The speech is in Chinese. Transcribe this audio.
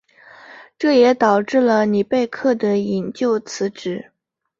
这也导致了里贝克的引咎辞职。